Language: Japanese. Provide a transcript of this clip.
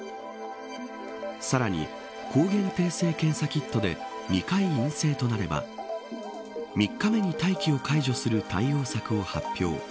さらに抗原定性検査キットで２回陰性となれば３日目に待機を解除する対応策を発表。